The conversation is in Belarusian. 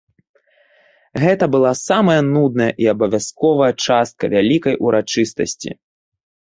Гэта была самая нудная і абавязковая частка вялікай урачыстасці.